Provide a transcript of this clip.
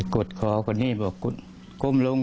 กดคอของนี่บอกกดลง